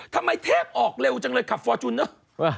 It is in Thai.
ทำไมเธพออกเร็วจังเลยขับฟอร์ชุนน่ะ